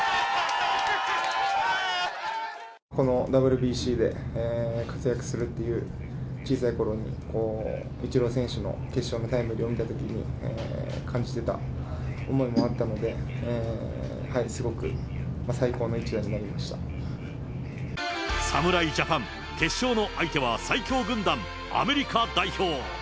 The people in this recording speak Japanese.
このＷＢＣで活躍するっていう、小さいころに、イチロー選手の決勝のタイムリーを見たときに感じていた思いもあったので、侍ジャパン、決勝の相手は最強軍団、アメリカ代表。